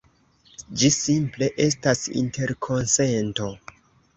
Ĝi simple estas interkonsento.